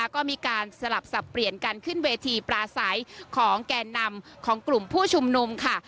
ก็มีการสลับสับเปลี่ยนการขึ้นเวทีปลาใสของแก่นำของกลุ่มผู้ชุมนุมค่ะ